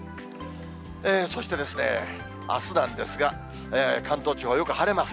そしてあすなんですが、関東地方はよく晴れます。